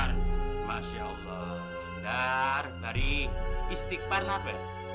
dar dar masya allah dar dari istighfar nabi